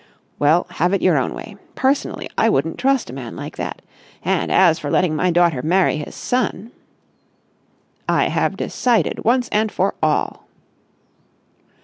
"Well, have it your own way. Personally, I wouldn't trust a man like that. And, as for letting my daughter marry his son...!" "I have decided once and for all...."